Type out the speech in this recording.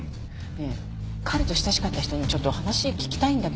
ねえ彼と親しかった人にちょっと話聞きたいんだけど。